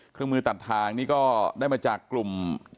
เครื่องมือตัดทางนี่ก็ได้มาจากกลุ่ม